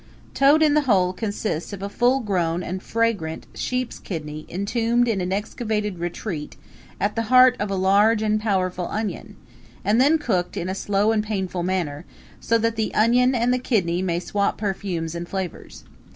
Toad in the Hole consists of a full grown and fragrant sheep's kidney entombed in an excavated retreat at the heart of a large and powerful onion, and then cooked in a slow and painful manner, so that the onion and the kidney may swap perfumes and flavors.